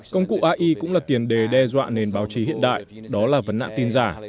công cụ ai cũng là tiền đề đe dọa nền báo chí hiện đại đó là vấn nạn tin giả